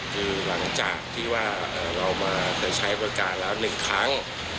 คือหลังจากที่ว่าเรามาเคยใช้ประกาศละหนึ่งครั้ง